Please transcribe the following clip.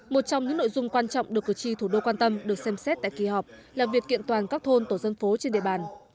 một trong những nội dung quan trọng được cử tri thủ đô quan tâm được xem xét tại kỳ họp là việc kiện toàn các thôn tổ dân phố trên địa bàn